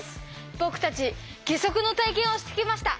僕たち義足の体験をしてきました。